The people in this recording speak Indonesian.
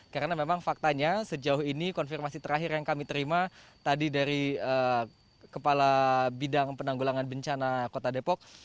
karena memang faktanya sejauh ini konfirmasi terakhir yang kami terima tadi dari kepala bidang penanggulangan bencana kota depok